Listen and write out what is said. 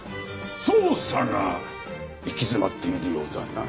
捜査が行き詰まっているようだな。